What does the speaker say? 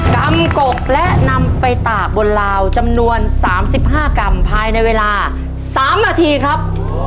กำกกและนำไปตากบนลาวจำนวน๓๕กรัมภายในเวลา๓นาทีครับ